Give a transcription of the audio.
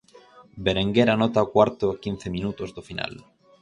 Berenguer anota o cuarto a quince minutos do final.